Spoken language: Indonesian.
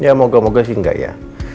ya moga moga sih enggak ya